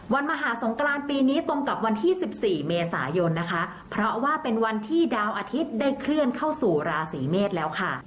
มหาสงกรานปีนี้ตรงกับวันที่สิบสี่เมษายนนะคะเพราะว่าเป็นวันที่ดาวอาทิตย์ได้เคลื่อนเข้าสู่ราศีเมษแล้วค่ะ